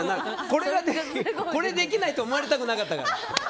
これできないと思われたくなかったから。